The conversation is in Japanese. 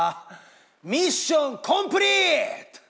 ミッションコンプリート！